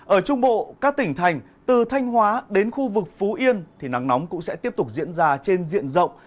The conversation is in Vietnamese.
ở trung bộ các tỉnh thành từ thanh hóa đến khu vực phú yên thì nắng nóng cũng sẽ tiếp tục diễn ra trên diện rộng